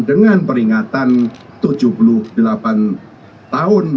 dengan peringatan tujuh puluh delapan tahun